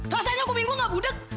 rasanya aku bingung enggak budeg